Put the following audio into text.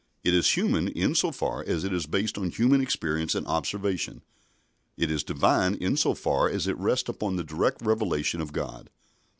It is human in so far as it is based on human experience and observation. It is Divine in so far as it rests upon the direct revelation of God.